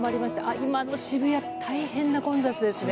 今の渋谷、大変な混雑ですね。